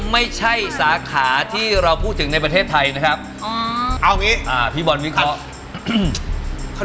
สาขาที่เราพูดถึงในประเทศไทยนะครับอ๋อเอางี้อ่าพี่บอลวิเคราะห์